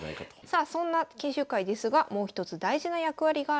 さあそんな研修会ですがもう一つ大事な役割があるんです。